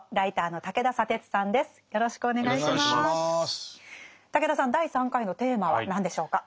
武田さん第３回のテーマは何でしょうか？